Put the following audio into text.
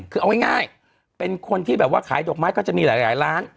คือเอาง่ายเป็นคนที่แบบว่าขายดอกไม้ก็จะมีหลายล้าน